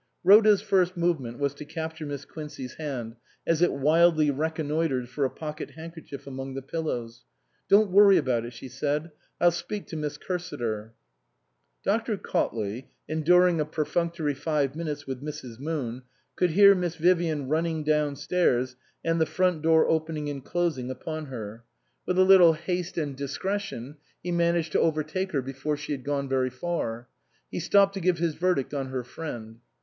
Rhoda's first movement was to capture Miss Quincey's hand as it wildly reconnoitred for a pocket handkerchief among the pillows. " Don't worry about it," she said, " I'll speak to Miss Cursiter." Dr. Cautley, enduring a perfunctory five minutes with Mrs. Moon, could hear Miss Vivian running downstairs and the front door opening and closing upon her. With a little haste and 238 BASTIAN CAUTLEY, M.D discretion he managed to overtake her before she had gone very far. He stopped to give his verdict on her friend.